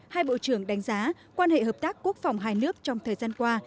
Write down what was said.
hai bộ trưởng đánh giá quan hệ hợp tác quốc phòng hai nước trong thời gian qua